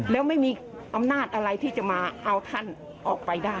แล้วไม่มีอำนาจอะไรที่จะมาเอาท่านออกไปได้